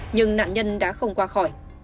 nhưng nạn nhân đã không qua khỏi